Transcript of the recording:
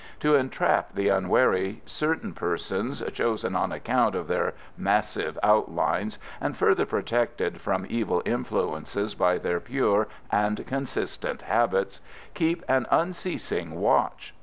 To entrap the unwary certain persons (chosen on account of their massive outlines, and further protected from evil influences by their pure and consistent habits) keep an unceasing watch.